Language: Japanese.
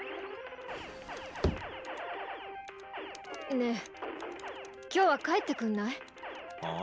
ねえ今日は帰ってくんない？ああ？